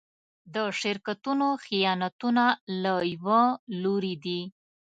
د شرکتونو خیانتونه له يوه لوري دي.